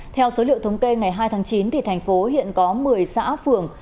theo số liệu thống kê ngày hai tháng chín thành phố hiện có một mươi xã phường